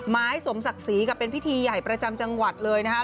สมศักดิ์ศรีกับเป็นพิธีใหญ่ประจำจังหวัดเลยนะครับ